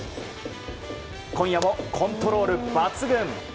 今夜もコントロール抜群。